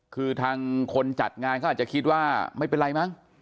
คือทางคนจัดงานเขาอาจจะคิดว่าไม่เป็นไรมั้ง